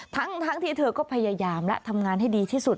ทั้งที่เธอก็พยายามและทำงานให้ดีที่สุด